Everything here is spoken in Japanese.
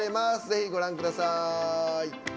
ぜひ、ご覧ください。